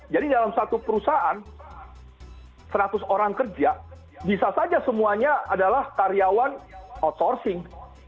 jadi dalam satu perusahaan seratus orang kerja bisa saja semuanya adalah karyawan outsourcing